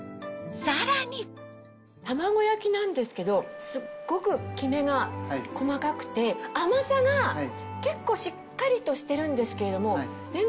さらに玉子焼きなんですけどすっごくきめが細かくて甘さが結構しっかりとしてるんですけれども。